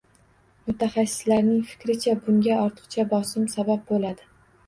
Mutaxassislarning fikricha bunga ortiqcha bosim sabab bo'ladi.